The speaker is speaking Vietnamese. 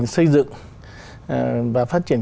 xây dựng và phát triển